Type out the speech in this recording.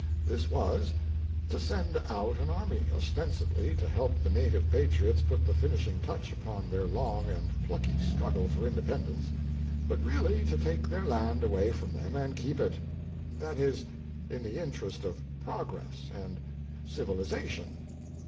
This was, to send out an army — ostensibly to help the native patriots put the finishing touch upon their long and plucky struggle for independence, but really to take their land away from them and keep it. That is, in the interest of Progress and Civilization.